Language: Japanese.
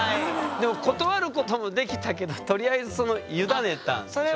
でも断ることもできたけどとりあえずその委ねたんでしょ？